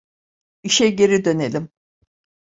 İşe geri dönelim.